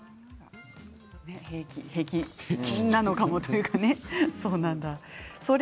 平気なのかもということですね。